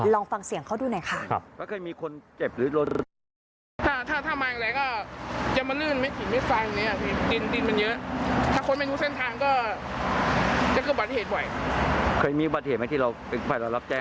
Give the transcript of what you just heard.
ลองฟังเสียงเขาดูหน่อยค่ะ